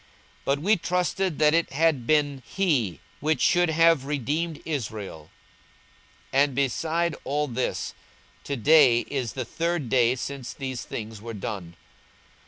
42:024:021 But we trusted that it had been he which should have redeemed Israel: and beside all this, to day is the third day since these things were done.